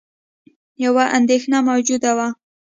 یوه اندېښنه موجوده وه